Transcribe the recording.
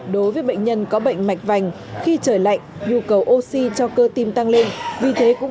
đối với bệnh nhân có bệnh mạch vành khi trời lạnh nhu cầu oxy cho cơ tim tăng lên vì thế cũng